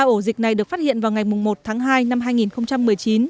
ba ổ dịch này được phát hiện vào ngày một tháng hai năm hai nghìn một mươi chín